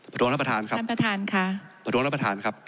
ประโดนท่านประธานค่ะ